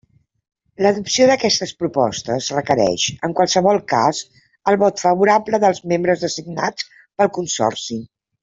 L'adopció d'aquestes propostes requereix, en qualsevol cas, el vot favorable dels membres designats pel Consorci.